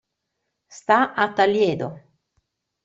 Sta a Taliedo.